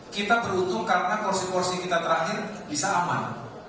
kita beruntung karena porsi porsi kita terakhir bisa aman